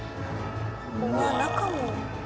うわ中も。